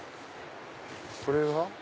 これは。